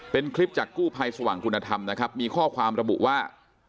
เป็นคลิปจากกู้ภัยสว่างคุณธรรมนะครับมีข้อความระบุว่า